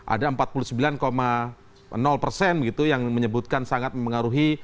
ada empat puluh sembilan persen yang menyebutkan sangat mempengaruhi